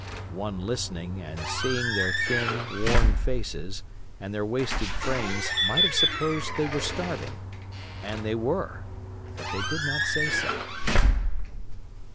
One listening and seeing their thin, worn faces and their wasted frames might have supposed they were starving, and they were, but they did not say so.